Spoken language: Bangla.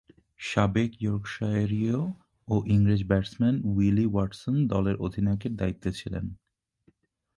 সাবেক ইয়র্কশায়ারীয় ও ইংরেজ ব্যাটসম্যান উইলি ওয়াটসন দলের অধিনায়কের দায়িত্বে ছিলেন।